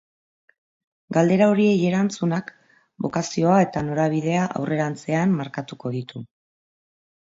Galdera horiei erantzunak bokazioa eta norabidea aurrerantzean markatuko ditu.